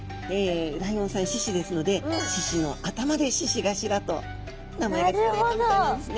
ライオンさん獅子ですので獅子の頭で獅子頭と名前が付けられたみたいなんですね。